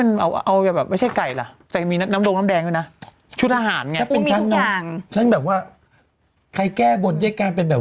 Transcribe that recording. แม่บางทีฉันก็ต้องสร้างภาพเหมือนเธอ